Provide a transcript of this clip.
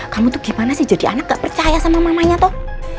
kamu tuh gimana sih jadi anak gak percaya sama mamanya toh